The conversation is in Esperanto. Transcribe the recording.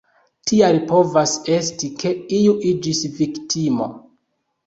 Tial povas esti ke iu iĝis viktimo.